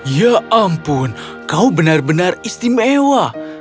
ya ampun kau benar benar istimewa